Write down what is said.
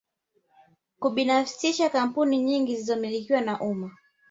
Kubinafsisha kampuni nyingi zilizomilikiwa na umma